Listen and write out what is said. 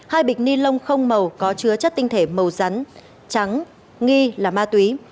hai bịch ni lông không màu có chứa chất tinh thể màu rắn trắng nghi là ma túy